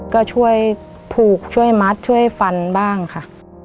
ก็ช่วยผูกช่วยมัดช่วยฟันบ้างค่ะ